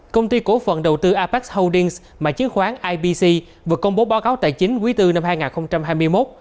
công ty cổ phận đầu tư apex holdings mạng chiến khoán ipc vừa công bố báo cáo tài chính quý tư năm hai nghìn hai mươi một